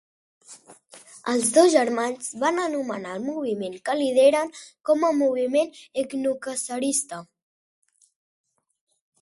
Els dos germans van anomenar el moviment que lideren com a "Moviment etnocacerista".